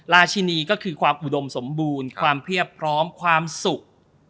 ชินีก็คือความอุดมสมบูรณ์ความเพียบพร้อมความสุข